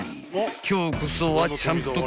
［今日こそはちゃんと答えろよ］